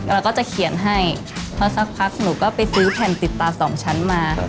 เราก็จะเขียนให้พอสักพักหนูก็ไปซื้อแผ่นติดตาสองชั้นมา